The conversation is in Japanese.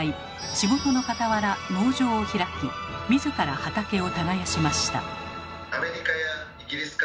仕事のかたわら農場を開き自ら畑を耕しました。